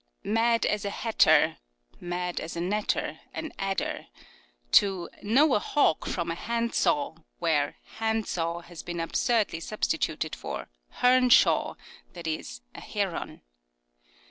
" Mad as a hatter "(" Mad as a Natter "—an " adder "); to " Know a hawk from a handsaw," where " hand saw " has been absurdly substituted for " hern shaw "— i.e. a heron.